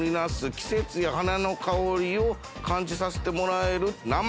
季節や花の香りを感じさせてもらえる。